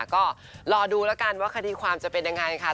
ก็รอดูแล้วกันว่าคดีความจะเป็นยังไงค่ะ